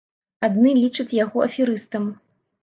Адны лічаць яго аферыстам.